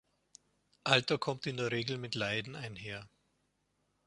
Alter kommt in der Regel mit Leiden einher.